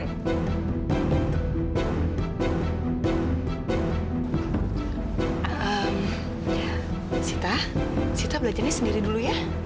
ya sita sita belajarnya sendiri dulu ya